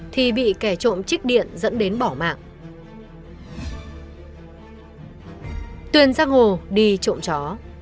tuyên giang hồ đi trộm chó